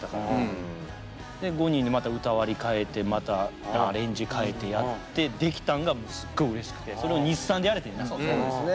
５人でまた歌割り変えてまたアレンジ変えてやってできたんがすっごいうれしくてそれを日産でやれてんな。